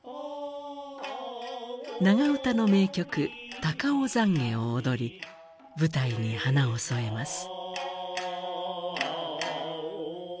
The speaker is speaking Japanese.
長唄の名曲「高尾懺悔」を踊り舞台に花を添えます。